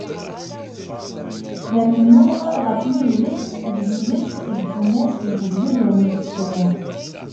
D umennuɣ ɣef yidles d yiles d tumast n ugdud ur ntettu.